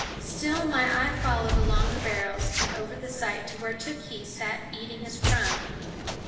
Still my eye followed along the barrels and over the sight to where Tookhees sat eating his crumb.